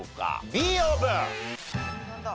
Ｂオープン！